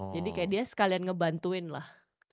jadi kayak dia sekalian ngebantuin lah